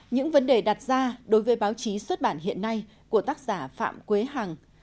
những vấn đề đặt ra đối với báo chí xuất bản hiện nay của tác giả phạm quế hằng